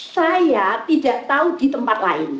saya tidak tahu di tempat lain